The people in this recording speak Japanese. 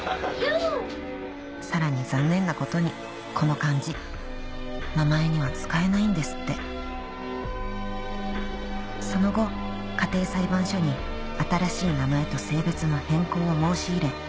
さらに残念なことにこの漢字名前には使えないんですってその後家庭裁判所に新しい名前と性別の変更を申し入れ